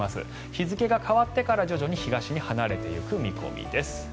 日付が変わってから徐々に東へ抜けていく予想です。